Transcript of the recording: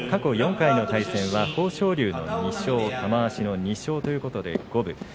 過去４回の対戦は豊昇龍の２勝、玉鷲の２勝で５分。